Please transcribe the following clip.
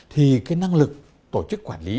thì cái năng lực tổ chức quản lý